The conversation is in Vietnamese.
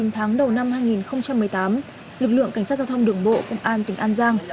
chín tháng đầu năm hai nghìn một mươi tám lực lượng cảnh sát giao thông đường bộ công an tỉnh an giang